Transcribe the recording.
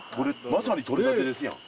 まさに採れたてですやん。